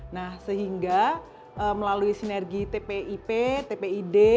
nah sehingga melalui sinergi tpip tpid